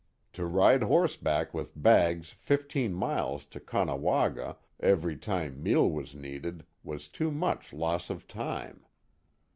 To ride horseback with bags fifteen miles to Caughnawaga [?] every time meal was needed, was too much loss of time."